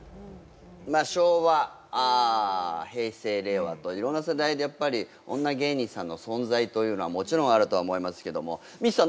昭和平成令和といろんな世代でやっぱり女芸人さんの存在というのはもちろんあるとは思いますけどもミッツさん